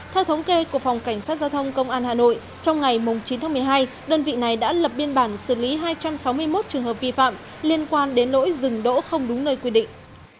theo thống kê của phòng cảnh sát giao thông công an hà nội trong ngày chín tháng một mươi hai đơn vị này đã lập biên bản xử lý hai trăm sáu mươi một trường hợp vi phạm liên quan đến nỗi dừng đỗ không đúng nơi quy định